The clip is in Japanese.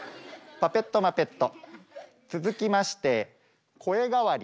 パペットマペット！